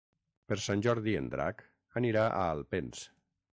Per Sant Jordi en Drac anirà a Alpens.